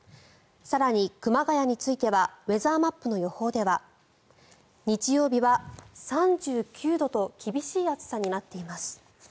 更に、熊谷についてはウェザーマップの予報では日曜日は３９度と厳しい暑さになっています。